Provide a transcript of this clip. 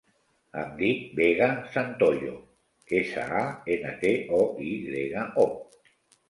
Em dic Vega Santoyo: essa, a, ena, te, o, i grega, o.